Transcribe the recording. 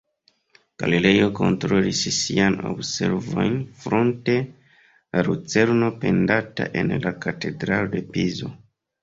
Galilejo kontrolis siajn observojn fronte la lucerno pendanta en la Katedralo de Pizo.